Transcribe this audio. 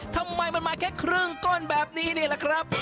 ทำไมมันมาแค่ครึ่งก้อนแบบนี้นี่แหละครับ